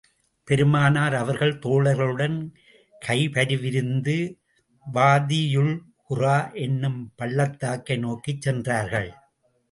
பெருமானார் அவர்கள் தோழர்களுடன், கைபரிவிருந்து வாதியுல்குரா என்னும் பள்ளத்தாக்கை நோக்கிச் சென்றார்கள்.